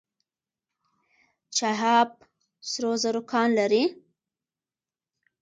چاه اب سرو زرو کان لري؟